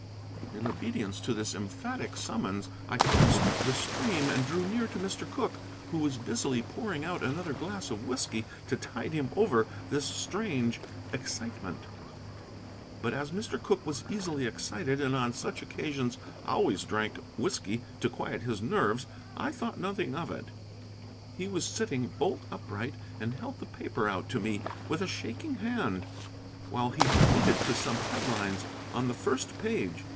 In obedience to this emphatic summons I crossed the stream and drew near to Mr. Cooke, who was busily pouring out another glass of whiskey to tide him over this strange excitement. But, as Mr. Cooke was easily excited and on such occasions always drank whiskey to quiet his nerves, I thought nothing of it. He was sitting bolt upright and held out the paper to me with a shaking hand, while he pointed to some headlines on the first page.